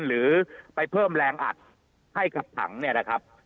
หรือไปเพิ่มแรงอัดให้กับถังเนี่ยนะครับ